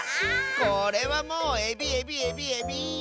これはもうエビエビエビエビ！